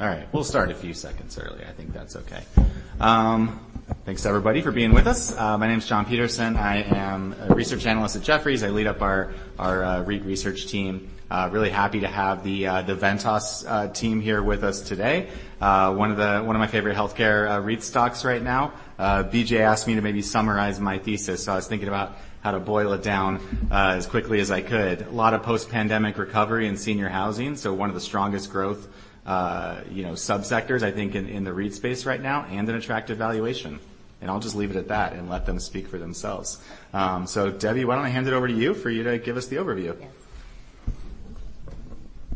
All right. We'll start a few seconds early. I think that's okay. Thanks, everybody, for being with us. My name's Jon Peterson. I am a research analyst at Jefferies. I lead up our REIT research team. Really happy to have the Ventas team here with us today. One of my favorite healthcare REIT stocks right now. BJ asked me to maybe summarize my thesis, so I was thinking about how to boil it down as quickly as I could. A lot of post-pandemic recovery and senior housing, so one of the strongest growth subsectors, I think, in the REIT space right now and an attractive valuation. And I'll just leave it at that and let them speak for themselves. So, Debbie, why don't I hand it over to you for you to give us the overview? Yes.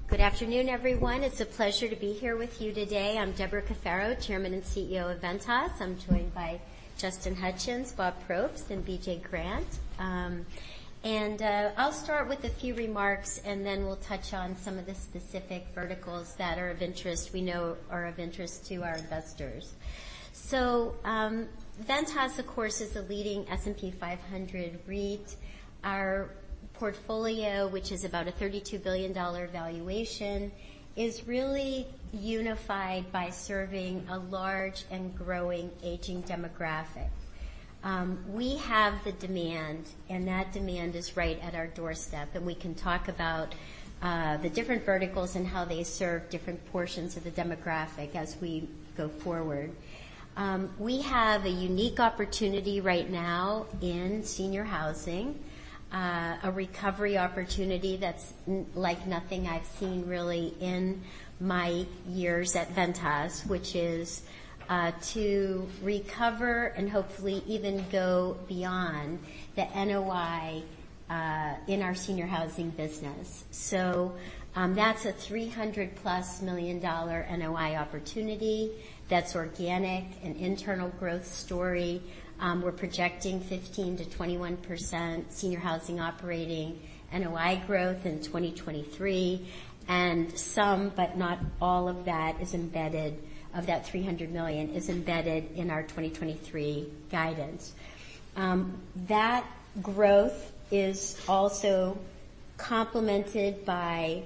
Good afternoon, everyone. It's a pleasure to be here with you today. I'm Debra Cafaro, Chairman and CEO of Ventas. I'm joined by Justin Hutchens, Bob Probst, and BJ Grant. And I'll start with a few remarks, and then we'll touch on some of the specific verticals that are of interest, we know are of interest to our investors. So Ventas, of course, is a leading S&P 500 REIT. Our portfolio, which is about a $32 billion valuation, is really unified by serving a large and growing aging demographic. We have the demand, and that demand is right at our doorstep. And we can talk about the different verticals and how they serve different portions of the demographic as we go forward. We have a unique opportunity right now in senior housing, a recovery opportunity that's like nothing I've seen really in my years at Ventas, which is to recover and hopefully even go beyond the NOI in our senior housing business. So that's a $300-plus million NOI opportunity that's organic, an internal growth story. We're projecting 15%-21% senior housing operating NOI growth in 2023. And some, but not all, of that $300 million is embedded in our 2023 guidance. That growth is also complemented by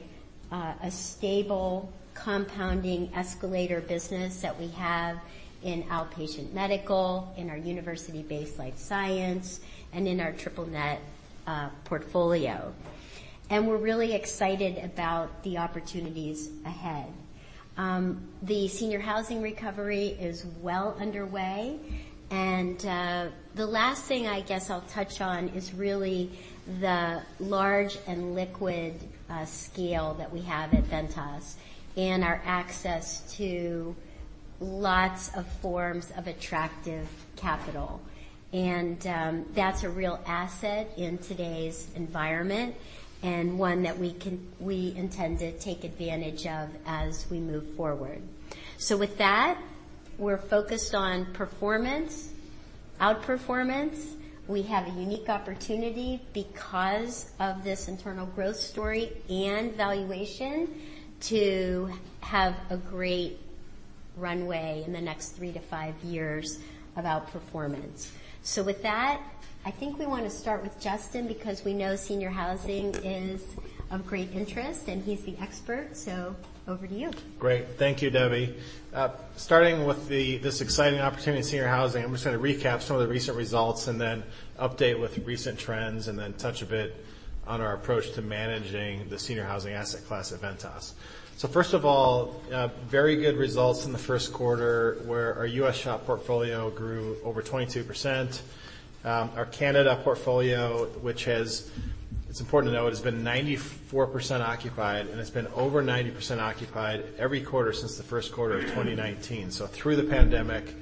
a stable compounding escalator business that we have in outpatient medical, in our university-based life science, and in our triple-net portfolio. And we're really excited about the opportunities ahead. The senior housing recovery is well underway. And the last thing I guess I'll touch on is really the large and liquid scale that we have at Ventas and our access to lots of forms of attractive capital. And that's a real asset in today's environment and one that we intend to take advantage of as we move forward. So with that, we're focused on performance, outperformance. We have a unique opportunity because of this internal growth story and valuation to have a great runway in the next three to five years of outperformance. So with that, I think we want to start with Justin because we know senior housing is of great interest, and he's the expert. So over to you. Great. Thank you, Debbie. Starting with this exciting opportunity in senior housing, I'm just going to recap some of the recent results and then update with recent trends and then touch a bit on our approach to managing the senior housing asset class at Ventas. So first of all, very good results in the first quarter where our U.S. SHOP portfolio grew over 22%. Our Canada portfolio, which has, it's important to note, has been 94% occupied, and it's been over 90% occupied every quarter since the first quarter of 2019. So through the pandemic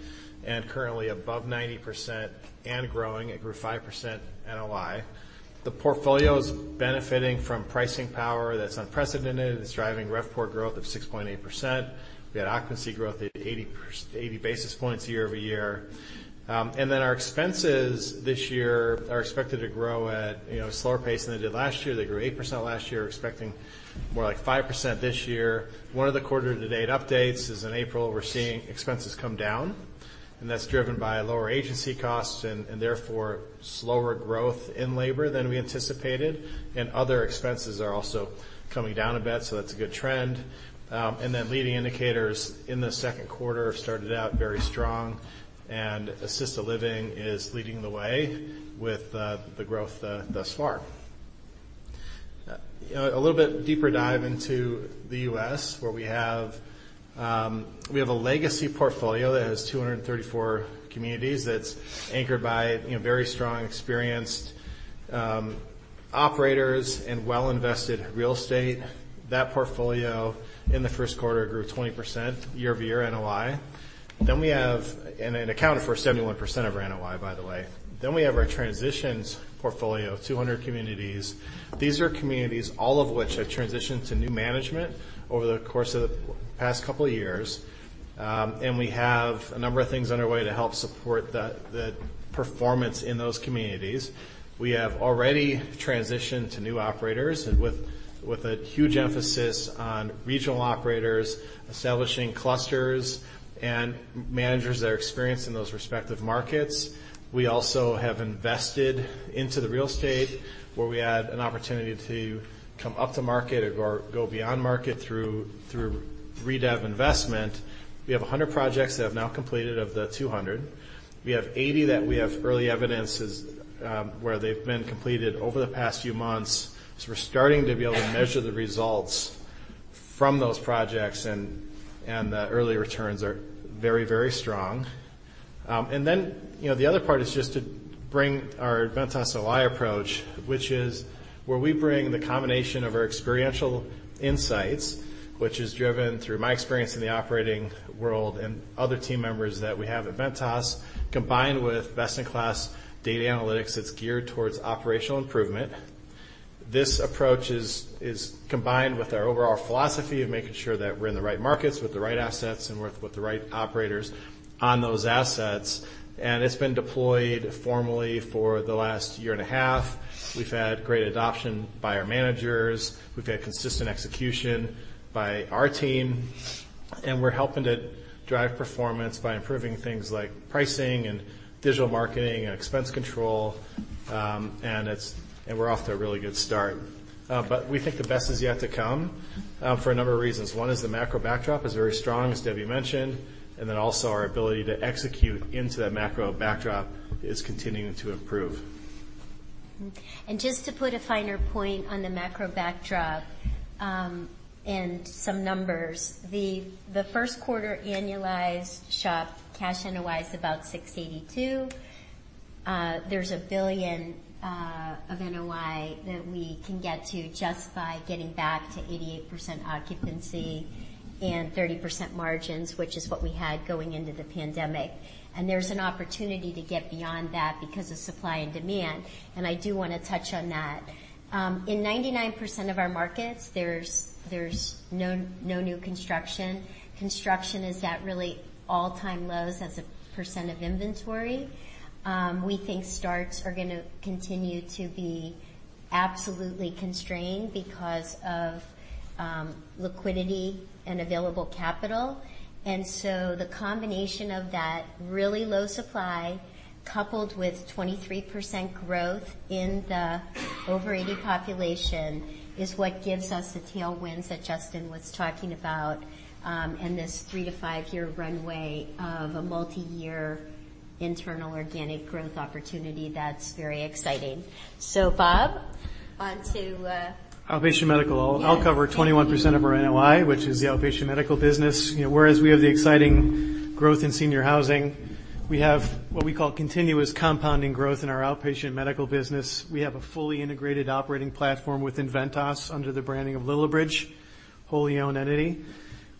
and currently above 90% and growing, it grew 5% NOI. The portfolio is benefiting from pricing power that's unprecedented. It's driving RevPOR growth of 6.8%. We had occupancy growth at 80 basis points year-over-year. And then our expenses this year are expected to grow at a slower pace than they did last year. They grew 8% last year, expecting more like 5% this year. One of the quarter-to-date updates is in April, we're seeing expenses come down, and that's driven by lower agency costs and therefore slower growth in labor than we anticipated. And other expenses are also coming down a bit, so that's a good trend. And then leading indicators in the second quarter started out very strong, and assisted living is leading the way with the growth thus far. A little bit deeper dive into the U.S., where we have a legacy portfolio that has 234 communities that's anchored by very strong, experienced operators and well-invested real estate. That portfolio in the first quarter grew 20% year-over-year NOI. Then we have, and it accounted for 71% of our NOI, by the way. Then we have our transitions portfolio of 200 communities. These are communities all of which have transitioned to new management over the course of the past couple of years, and we have a number of things underway to help support the performance in those communities. We have already transitioned to new operators with a huge emphasis on regional operators, establishing clusters and managers that are experienced in those respective markets. We also have invested into the real estate, where we had an opportunity to come up to market or go beyond market through redev investment. We have 100 projects that have now completed of the 200. We have 80 that we have early evidence is where they've been completed over the past few months. So we're starting to be able to measure the results from those projects, and the early returns are very, very strong. And then the other part is just to bring our Ventas OI approach, which is where we bring the combination of our experiential insights, which is driven through my experience in the operating world and other team members that we have at Ventas, combined with best-in-class data analytics that's geared towards operational improvement. This approach is combined with our overall philosophy of making sure that we're in the right markets with the right assets and with the right operators on those assets. And it's been deployed formally for the last year and a half. We've had great adoption by our managers. We've had consistent execution by our team. And we're helping to drive performance by improving things like pricing and digital marketing and expense control. We're off to a really good start. We think the best is yet to come for a number of reasons. One is the macro backdrop is very strong, as Debbie mentioned, and then also our ability to execute into that macro backdrop is continuing to improve. Just to put a finer point on the macro backdrop and some numbers, the first quarter annualized SHOP cash NOI is about $682 million. There's $1 billion of NOI that we can get to just by getting back to 88% occupancy and 30% margins, which is what we had going into the pandemic. There's an opportunity to get beyond that because of supply and demand. I do want to touch on that. In 99% of our markets, there's no new construction. Construction is at really all-time lows as a percent of inventory. We think starts are going to continue to be absolutely constrained because of liquidity and available capital. The combination of that really low supply coupled with 23% growth in the over 80 population is what gives us the tailwinds that Justin was talking about and this three to five-year runway of a multi-year internal organic growth opportunity that's very exciting. So Bob, onto. Outpatient medical. I'll cover 21% of our NOI, which is the outpatient medical business. Whereas we have the exciting growth in senior housing, we have what we call continuous compounding growth in our outpatient medical business. We have a fully integrated operating platform within Ventas under the branding of Lillibridge, wholly owned entity,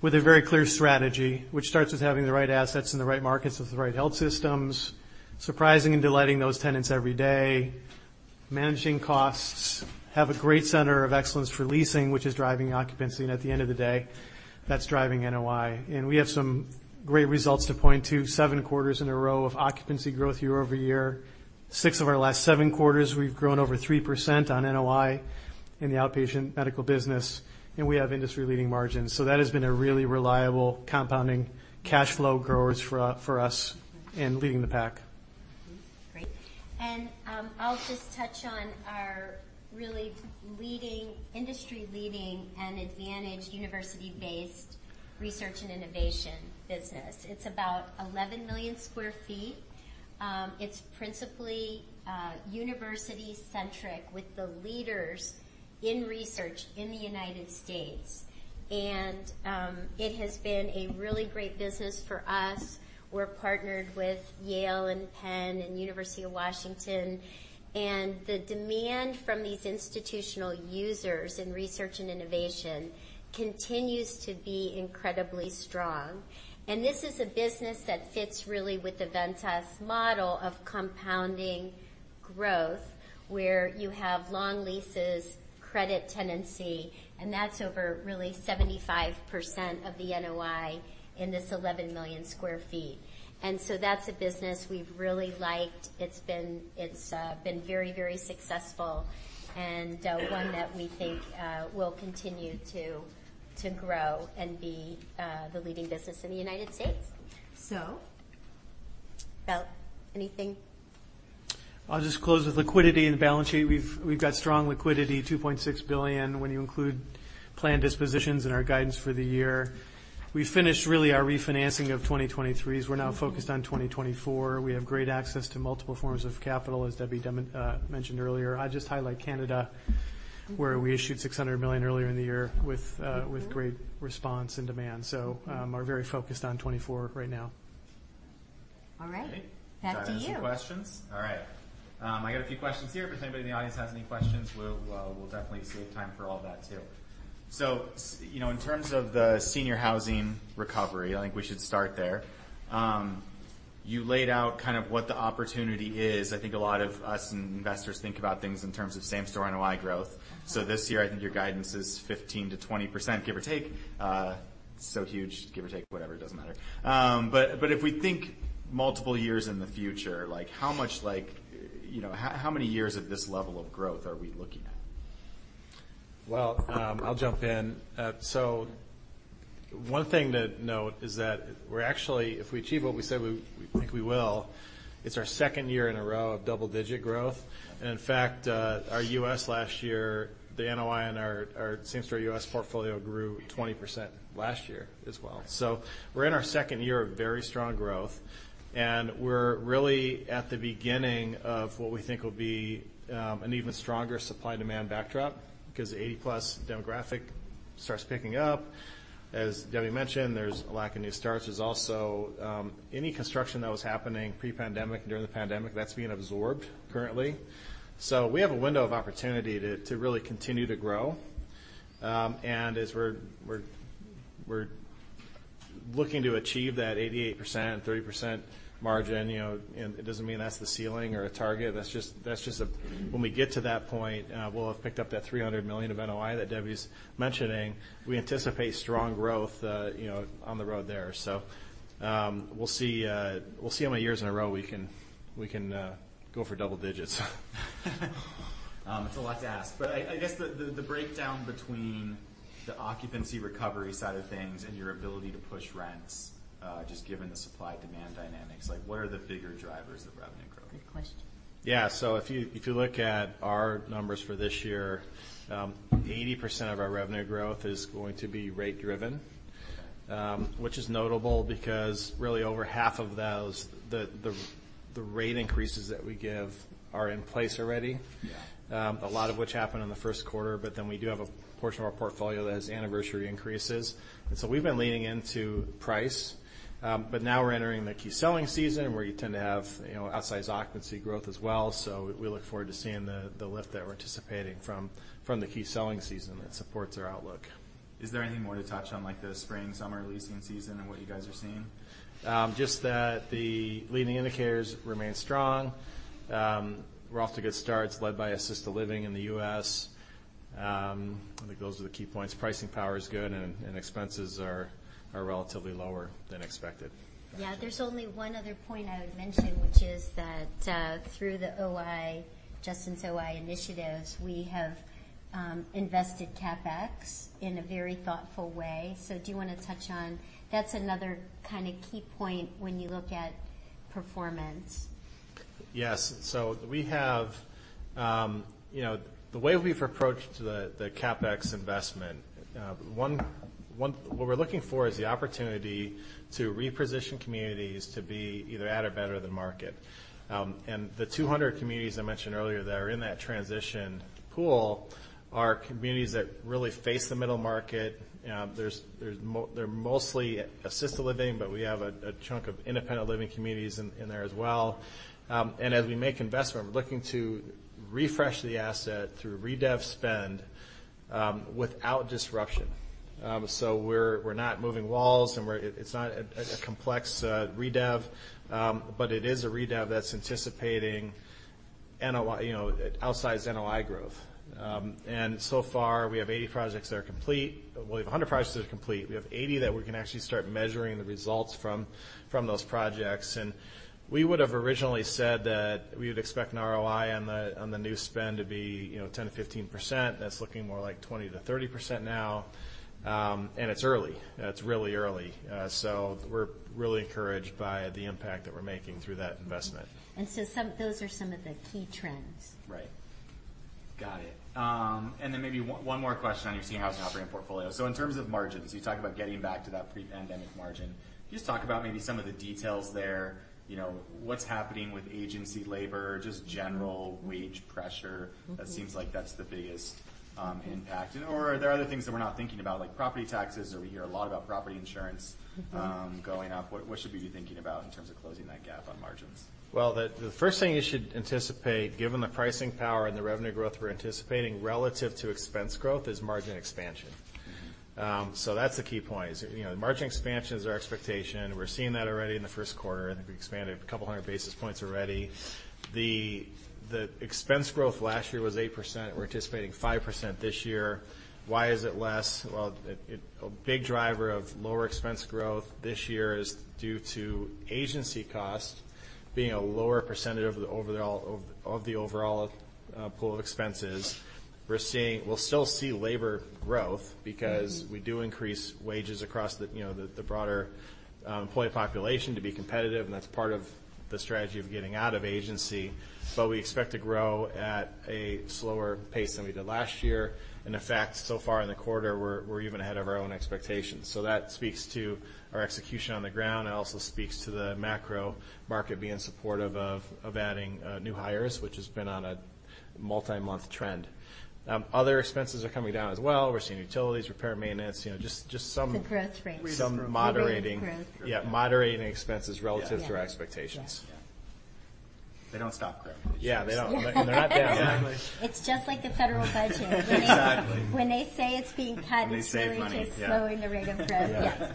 with a very clear strategy, which starts with having the right assets in the right markets with the right health systems, surprising and delighting those tenants every day, managing costs, have a great center of excellence for leasing, which is driving occupancy, and at the end of the day, that's driving NOI, and we have some great results to point to: seven quarters in a row of occupancy growth year over year. Six of our last seven quarters, we've grown over 3% on NOI in the outpatient medical business, and we have industry-leading margins. So that has been a really reliable compounding cash flow grower for us and leading the pack. Great. And I'll just touch on our really leading industry-leading and advantaged university-based research and innovation business. It's about 11 million sq ft. It's principally university-centric with the leaders in research in the United States. And it has been a really great business for us. We're partnered with Yale and Penn and University of Washington. And the demand from these institutional users in research and innovation continues to be incredibly strong. And this is a business that fits really with the Ventas model of compounding growth, where you have long leases, credit tenancy, and that's over really 75% of the NOI in this 11 million sq ft. And so that's a business we've really liked. It's been very, very successful and one that we think will continue to grow and be the leading business in the United States. So, anything? I'll just close with liquidity and the balance sheet. We've got strong liquidity, $2.6 billion when you include planned dispositions and our guidance for the year. We finished really our refinancing of 2023. We're now focused on 2024. We have great access to multiple forms of capital, as Debbie mentioned earlier. I'll just highlight Canada, where we issued $600 million earlier in the year with great response and demand. So we're very focused on 2024 right now. All right. Back to you. Can I ask a few questions? All right. I got a few questions here. If anybody in the audience has any questions, we'll definitely save time for all of that too. So in terms of the senior housing recovery, I think we should start there. You laid out kind of what the opportunity is. I think a lot of us investors think about things in terms of same-store NOI growth. So this year, I think your guidance is 15%-20%, give or take. So huge, give or take, whatever, it doesn't matter. But if we think multiple years in the future, how many years of this level of growth are we looking at? I'll jump in. One thing to note is that we're actually, if we achieve what we say we think we will, it's our second year in a row of double-digit growth. In fact, our U.S. NOI last year and our same-store U.S. portfolio grew 20% last year as well. We're in our second year of very strong growth. We're really at the beginning of what we think will be an even stronger supply-demand backdrop because the 80-plus demographic starts picking up. As Debbie mentioned, there's a lack of new starts. There's also any construction that was happening pre-pandemic and during the pandemic that's being absorbed currently. We have a window of opportunity to really continue to grow. As we're looking to achieve that 88%, 30% margin, it doesn't mean that's the ceiling or a target. That's just when we get to that point, we'll have picked up that $300 million of NOI that Debbie's mentioning. We anticipate strong growth on the road there. So we'll see how many years in a row we can go for double digits. It's a lot to ask, but I guess the breakdown between the occupancy recovery side of things and your ability to push rents, just given the supply-demand dynamics, what are the bigger drivers of revenue growth? Good question. Yeah. So if you look at our numbers for this year, 80% of our revenue growth is going to be rate-driven, which is notable because really over half of those, the rate increases that we give, are in place already, a lot of which happened in the first quarter. But then we do have a portion of our portfolio that has anniversary increases. And so we've been leaning into price. But now we're entering the key selling season where you tend to have outsized occupancy growth as well. So we look forward to seeing the lift that we're anticipating from the key selling season that supports our outlook. Is there anything more to touch on, like the spring-summer leasing season and what you guys are seeing? Just that the leading indicators remain strong. We're off to good starts, led by assisted living in the U.S. I think those are the key points. Pricing power is good, and expenses are relatively lower than expected. Yeah. There's only one other point I would mention, which is that through the OI, Justin's OI initiatives, we have invested CapEx in a very thoughtful way. So do you want to touch on that? That's another kind of key point when you look at performance? Yes. So we have the way we've approached the CapEx investment. What we're looking for is the opportunity to reposition communities to be either at or better than market. And the 200 communities I mentioned earlier that are in that transition pool are communities that really face the middle market. They're mostly assisted living, but we have a chunk of independent living communities in there as well. And as we make investment, we're looking to refresh the asset through redev spend without disruption. So we're not moving walls, and it's not a complex redev, but it is a redev that's anticipating outsized NOI growth. And so far, we have 80 projects that are complete. We have 100 projects that are complete. We have 80 that we can actually start measuring the results from those projects. We would have originally said that we would expect an ROI on the new spend to be 10%-15%. That's looking more like 20%-30% now. It's early. It's really early. We're really encouraged by the impact that we're making through that investment. And so those are some of the key trends. Right. Got it. And then maybe one more question on your senior housing operating portfolio. So in terms of margins, you talk about getting back to that pre-pandemic margin. Just talk about maybe some of the details there. What's happening with agency labor, just general wage pressure? That seems like that's the biggest impact. Or are there other things that we're not thinking about, like property taxes? Or we hear a lot about property insurance going up. What should we be thinking about in terms of closing that gap on margins? The first thing you should anticipate, given the pricing power and the revenue growth we're anticipating relative to expense growth, is margin expansion. That's the key point. Margin expansion is our expectation. We're seeing that already in the first quarter. I think we expanded a couple hundred basis points already. The expense growth last year was 8%. We're anticipating 5% this year. Why is it less? A big driver of lower expense growth this year is due to agency costs being a lower percentage of the overall pool of expenses. We'll still see labor growth because we do increase wages across the broader employee population to be competitive. That's part of the strategy of getting out of agency. We expect to grow at a slower pace than we did last year. In effect, so far in the quarter, we're even ahead of our own expectations. So that speaks to our execution on the ground. It also speaks to the macro market being supportive of adding new hires, which has been on a multi-month trend. Other expenses are coming down as well. We're seeing utilities, repair, maintenance, just some. Some growth rates. Some moderating. Some growth rates. Yeah, moderating expenses relative to our expectations. They don't stop growing. Yeah, they don't. And they're not down. It's just like the federal budget. Exactly. When they say it's being cut, it's very much slowing the rate of growth.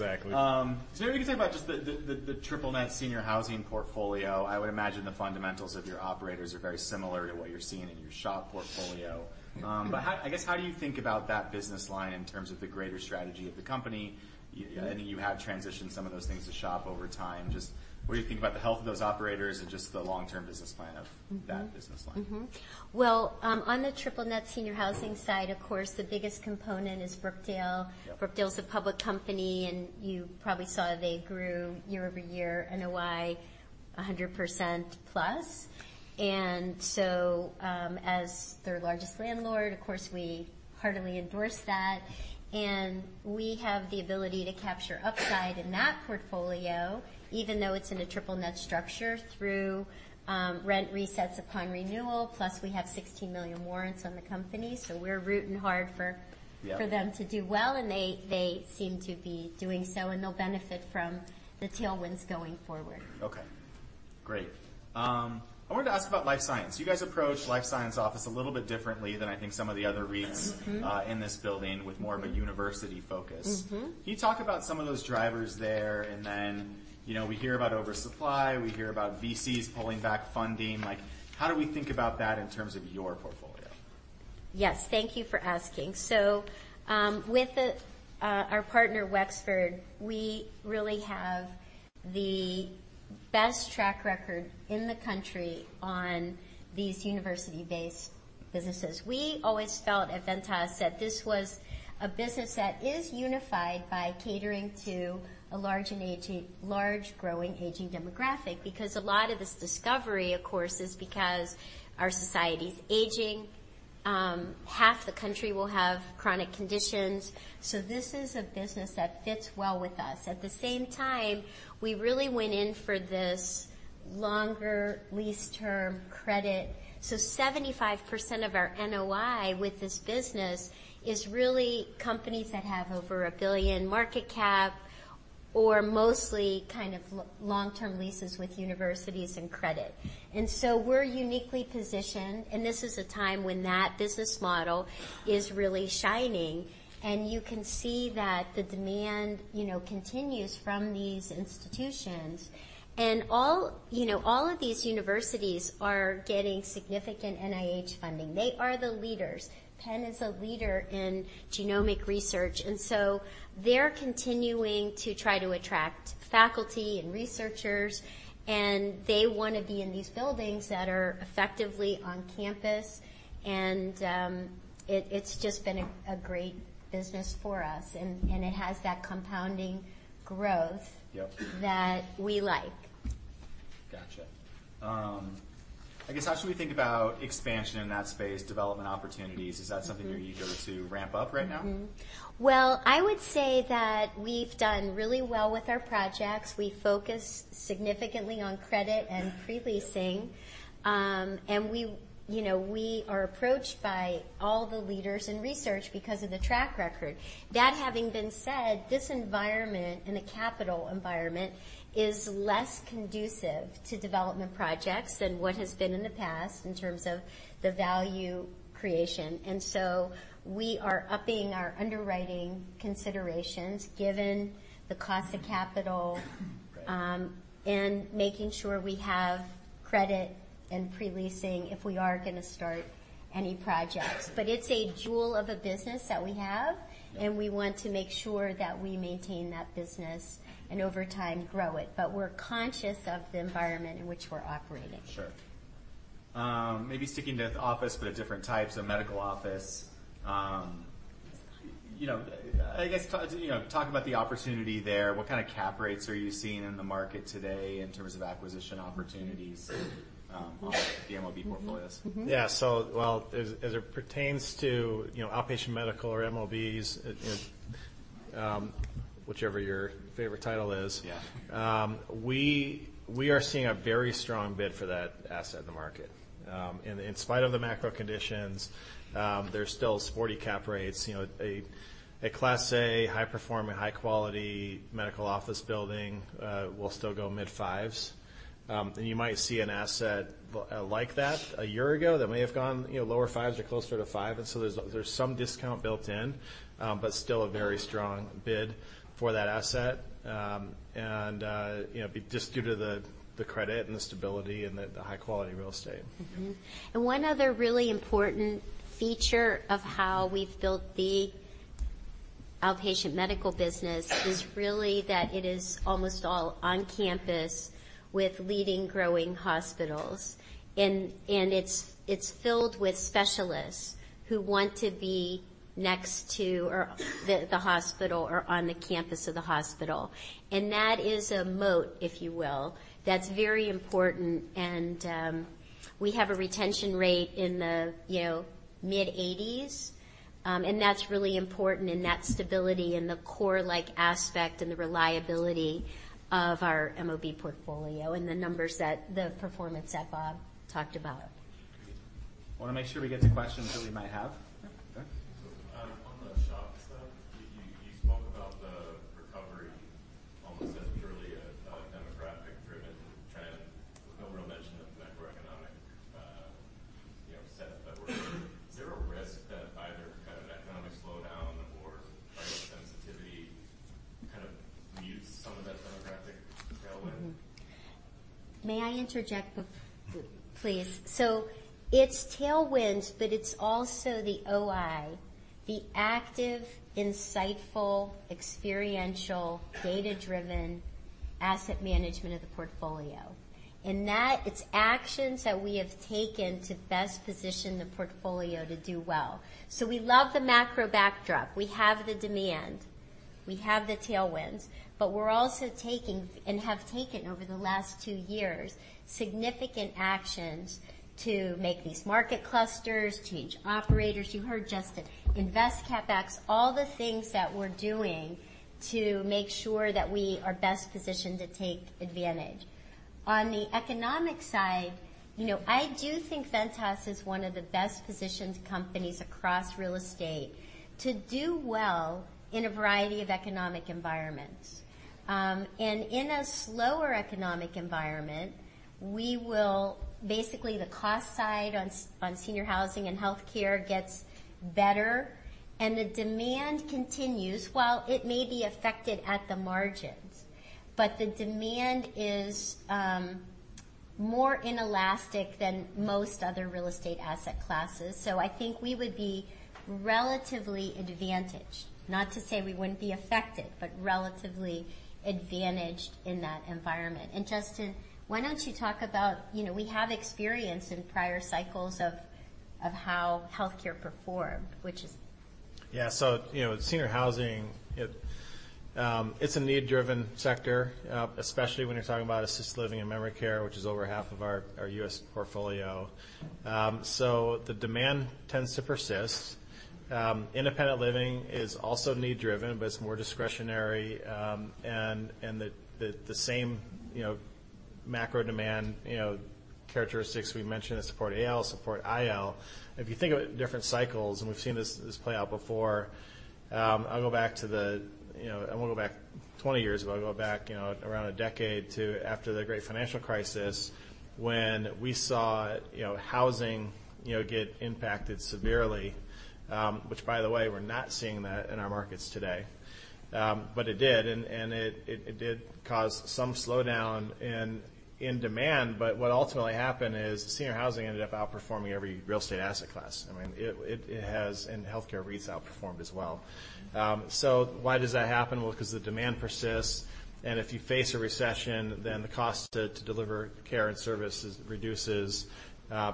Exactly. So maybe we can talk about just the triple-net senior housing portfolio. I would imagine the fundamentals of your operators are very similar to what you're seeing in your shop portfolio. But I guess, how do you think about that business line in terms of the greater strategy of the company? I think you have transitioned some of those things to shop over time. Just what do you think about the health of those operators and just the long-term business plan of that business line? On the triple net senior housing side, of course, the biggest component is Brookdale. Brookdale is a public company, and you probably saw they grew year over year, NOI 100%+. And so as their largest landlord, of course, we heartily endorse that. And we have the ability to capture upside in that portfolio, even though it's in a triple net structure through rent resets upon renewal. Plus, we have 16 million warrants on the company. So we're rooting hard for them to do well. And they seem to be doing so. And they'll benefit from the tailwinds going forward. Okay. Great. I wanted to ask about life science. You guys approach life science office a little bit differently than I think some of the other REITs in this building with more of a university focus. Can you talk about some of those drivers there? And then we hear about oversupply. We hear about VCs pulling back funding. How do we think about that in terms of your portfolio? Yes. Thank you for asking. So with our partner, Wexford, we really have the best track record in the country on these university-based businesses. We always felt at Ventas that this was a business that is unified by catering to a large growing aging demographic because a lot of this discovery, of course, is because our society is aging. Half the country will have chronic conditions. So this is a business that fits well with us. At the same time, we really went in for this longer lease term credit. So 75% of our NOI with this business is really companies that have over a billion market cap or mostly kind of long-term leases with universities and credit. And so we're uniquely positioned. And this is a time when that business model is really shining. And you can see that the demand continues from these institutions. And all of these universities are getting significant NIH funding. They are the leaders. Penn is a leader in genomic research. And so they're continuing to try to attract faculty and researchers. And they want to be in these buildings that are effectively on campus. And it has that compounding growth that we like. Got you. I guess, how should we think about expansion in that space, development opportunities? Is that something you're eager to ramp up right now? Well, I would say that we've done really well with our projects. We focus significantly on credit and pre-leasing, and we are approached by all the leaders in research because of the track record. That having been said, this environment and the capital environment is less conducive to development projects than what has been in the past in terms of the value creation, and so we are upping our underwriting considerations given the cost of capital and making sure we have credit and pre-leasing if we are going to start any projects, but it's a jewel of a business that we have, and we want to make sure that we maintain that business and over time grow it, but we're conscious of the environment in which we're operating. Sure. Maybe sticking to office, but at different types of medical office. I guess, talk about the opportunity there. What kind of cap rates are you seeing in the market today in terms of acquisition opportunities on the MOB portfolios? Yeah. So, well, as it pertains to outpatient medical or MOBs, whichever your favorite title is, we are seeing a very strong bid for that asset in the market. And in spite of the macro conditions, there's still sporty cap rates. A Class A, high-performing, high-quality medical office building will still go mid-fives. And you might see an asset like that a year ago that may have gone lower fives or closer to five. And so there's some discount built in, but still a very strong bid for that asset just due to the credit and the stability and the high-quality real estate. One other really important feature of how we've built the outpatient medical business is really that it is almost all on campus with leading growing hospitals. It's filled with specialists who want to be next to the hospital or on the campus of the hospital. That is a moat, if you will, that's very important. We have a retention rate in the mid-80s%. That's really important in that stability and the core-like aspect and the reliability of our MOB portfolio and the numbers that the performance that Bob talked about. I want to make sure we get to questions that we might have. Okay. On the shop stuff, you spoke about the recovery almost as purely a demographic-driven trend with no real mention of macroeconomic setup. economic slowdown or price sensitivity kind of mutes some of that demographic tailwind? May I interject, please, so it's tailwinds, but it's also the OI, the active, insightful, experiential, data-driven asset management of the portfolio, and that, it's actions that we have taken to best position the portfolio to do well, so we love the macro backdrop. We have the demand. We have the tailwinds, but we're also taking and have taken over the last two years significant actions to make these market clusters, change operators. You heard Justin. Invest CapEx, all the things that we're doing to make sure that we are best positioned to take advantage. On the economic side, I do think Ventas is one of the best-positioned companies across real estate to do well in a variety of economic environments, and in a slower economic environment, we will basically the cost side on senior housing and healthcare gets better. The demand continues while it may be affected at the margins. The demand is more inelastic than most other real estate asset classes. I think we would be relatively advantaged. Not to say we wouldn't be affected, but relatively advantaged in that environment. Justin, why don't you talk about we have experience in prior cycles of how healthcare performed, which is. Yeah, so senior housing, it's a need-driven sector, especially when you're talking about assisted living and memory care, which is over half of our U.S. portfolio. The demand tends to persist. Independent living is also need-driven, but it's more discretionary. The same macro demand characteristics we mentioned that support AL support IL. If you think of different cycles, and we've seen this play out before, I'll go back. I won't go back 20 years ago. I'll go back around a decade to after the great financial crisis when we saw housing get impacted severely, which, by the way, we're not seeing that in our markets today. But it did. And it did cause some slowdown in demand. But what ultimately happened is senior housing ended up outperforming every real estate asset class. I mean, it has, and healthcare REITs outperformed as well. So why does that happen? Well, because the demand persists. And if you face a recession, then the cost to deliver care and services reduces.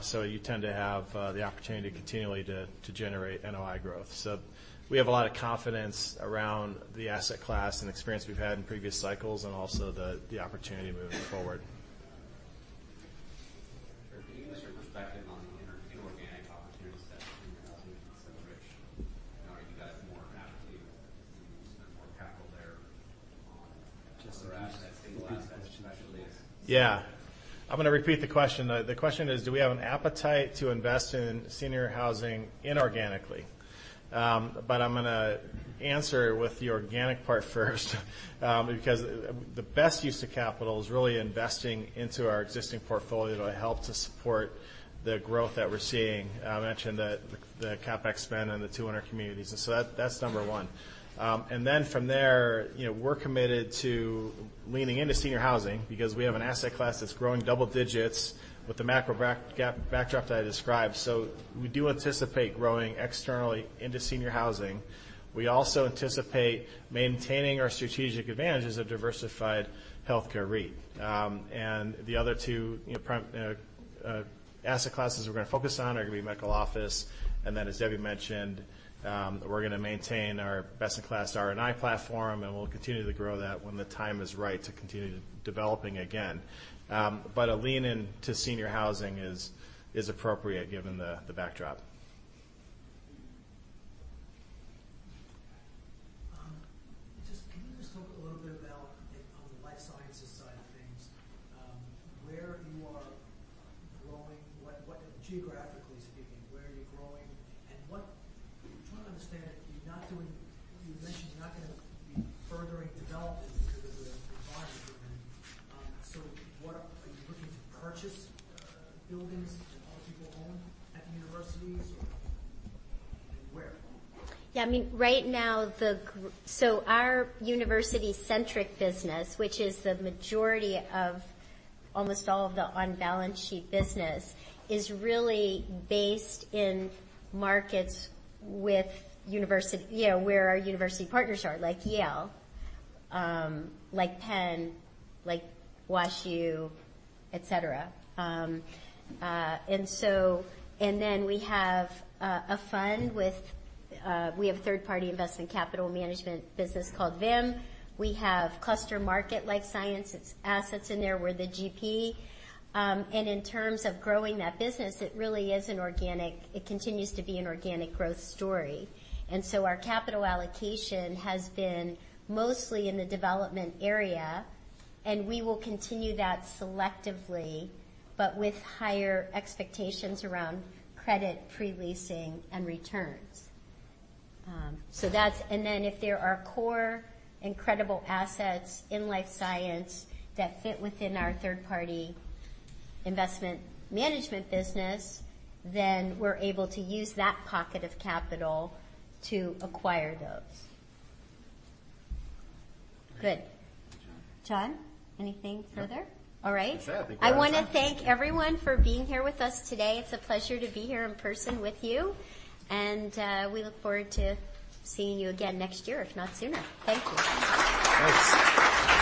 So you tend to have the opportunity continually to generate NOI growth. So we have a lot of confidence around the asset class and experience we've had in previous cycles and also the opportunity moving forward. Can you give us your perspective on the inorganic opportunities that senior housing can accelerate? Are you guys more apt to spend more capital there on single-asset specialties? Yeah. I'm going to repeat the question. The question is, do we have an appetite to invest in senior housing inorganically? But I'm going to answer with the organic part first because the best use of capital is really investing into our existing portfolio to help to support the growth that we're seeing. I mentioned the CapEx spend in the 200 communities. And so that's number one. And then from there, we're committed to leaning into senior housing because we have an asset class that's growing double digits with the macro backdrop that I described. So we do anticipate growing externally into senior housing. We also anticipate maintaining our strategic advantages of diversified healthcare reach. And the other two asset classes we're going to focus on are going to be medical office. And then, as Debbie mentioned, we're going to maintain our best-in-class R&I platform. We'll continue to grow that when the time is right to continue developing again. A lean into senior housing is appropriate given the backdrop. Can you just talk a little bit about on the life sciences side of things, where you are growing, geographically speaking, where are you growing? And I'm trying to understand it. You mentioned you're not going to be furthering development because of the environment. So are you looking to purchase buildings? Yeah. I mean, right now, so our university-centric business, which is the majority of almost all of the on-balance sheet business, is really based in markets where our university partners are, like Yale, like Penn, like WashU, etc. And then we have a fund with third-party investment capital management business called VIM. We have clustered market life science assets in there where the GP. And in terms of growing that business, it really is an organic. It continues to be an organic growth story. And so our capital allocation has been mostly in the development area. And we will continue that selectively, but with higher expectations around credit, pre-leasing, and returns. And then if there are core incredible assets in life science that fit within our third-party investment management business, then we're able to use that pocket of capital to acquire those. Good. Jon, anything further? All right. I want to thank everyone for being here with us today. It's a pleasure to be here in person with you, and we look forward to seeing you again next year, if not sooner. Thank you. Thanks.